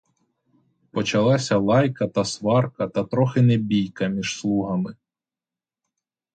Почалася лайка, та сварка, та трохи не бійка між слугами.